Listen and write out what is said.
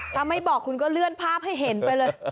ถ้าไม่บอกคุณก็เลื่อนภาพให้เห็นไปเลย